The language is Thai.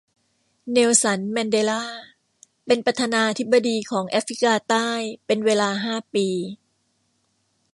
เนลสันแมนเดลาเป็นประธานาธิปดีของแอฟริกาใต้เป็นเวลาห้าปี